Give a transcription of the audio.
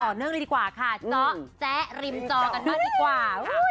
ต่อเนื่องดีกว่าจ๊ะแจ๊ะริมจ๋อกันมาดีกว่า